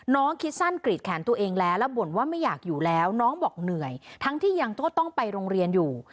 คิดสั้นกรีดแขนตัวเองแล้วแล้วบ่นว่าไม่อยากอยู่แล้วน้องบอกเหนื่อยทั้งที่ยังต้องไปโรงเรียนอยู่